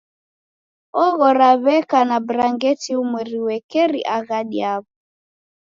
Oghora w'eka na brangeti umweri uekeri aghadi yaw'o